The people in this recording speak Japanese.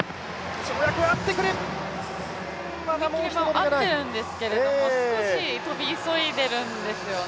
踏切合っているんですけども、少し跳び急いでいるんですよね。